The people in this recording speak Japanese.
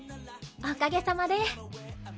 おかげさまで。